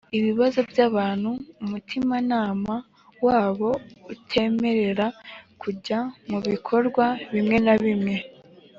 ibibazo by’abantu umutimanama wabo utemerera kujya mu bikorwa bimwe na bimwe